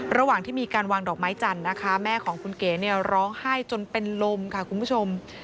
ระหว่างที่มีการวางดอกไม้จันทร์นะคะแม่ของคุณเก๋เนี่ยร้องไห้จนเป็นลมค่ะคุณผู้ชม